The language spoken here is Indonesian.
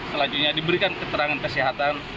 selanjutnya diberikan keterangan kesehatan